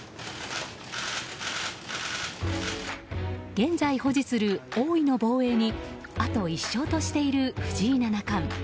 現在、保持する王位の防衛にあと１勝としている藤井七冠。